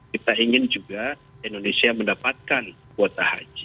kita ingin juga indonesia mendapatkan kuota haji